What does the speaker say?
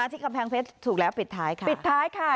ที่กำแพงเพชย์ถูกแล้วปิดท้ายค่ะ